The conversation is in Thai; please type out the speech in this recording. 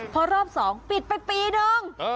พอรอบ๒ปิดไปปีนึง